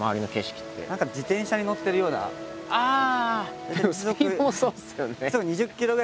ああ！